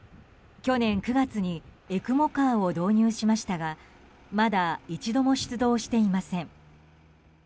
去年９月にＥＣＭＯＣａｒを導入しましたがまだ一度も出動していません。